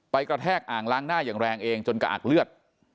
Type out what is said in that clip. กระแทกอ่างล้างหน้าอย่างแรงเองจนกระอักเลือด